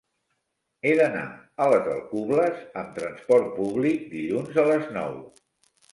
He d'anar a les Alcubles amb transport públic dilluns a les nou.